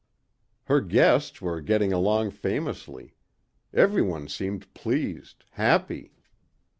Her guests were getting along famously. Everyone seemed pleased, happy.